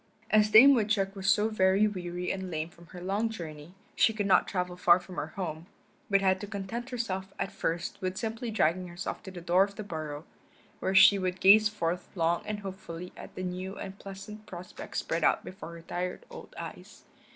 As Dame Woodchuck was so very weary and lame from her long journey she could not travel far from her home, but had to content herself at first with simply dragging herself to the door of the burrow, where she would gaze forth long and hopefully at the new and pleasant prospect spread out before her tired old eyes.